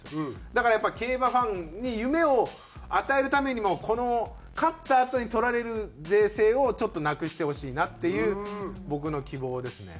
だからやっぱ競馬ファンに夢を与えるためにもこの勝ったあとに取られる税制をちょっとなくしてほしいなっていう僕の希望ですね。